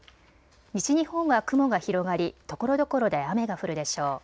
西日本は雲が広がりところどころで雨が降るでしょう。